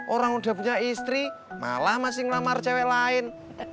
orang udah punya istri malah masih ngelamar cewek lain